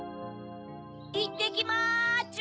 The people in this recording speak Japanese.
いってきまちゅ！